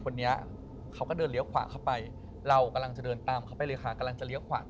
ที่เราคิดว่ามันน่ากลัวที่สุดแล้ว